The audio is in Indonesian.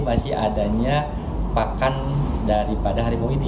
masih adanya pakan daripada harimau ini